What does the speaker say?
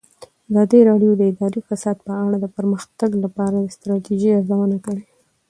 ازادي راډیو د اداري فساد په اړه د پرمختګ لپاره د ستراتیژۍ ارزونه کړې.